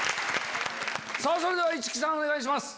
それでは市來さんお願いします。